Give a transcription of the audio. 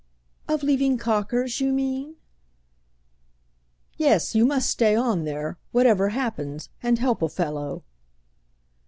"Of leaving Cocker's, you mean?" "Yes, you must stay on there, whatever happens, and help a fellow."